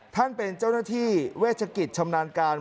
ท่านเป็นเจ้าหน้าที่เวชกิจชำนาญการ